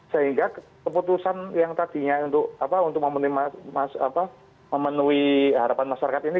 sehingga keputusan yang tadinya untuk memenuhi harapan masyarakat ini